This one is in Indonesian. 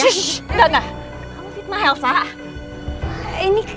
shhh enggak enggak